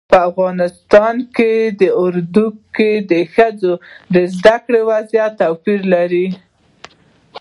په افغانستان او اردن کې د ښځو د زده کړې وضعیت توپیر لري.